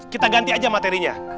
kita ganti aja materinya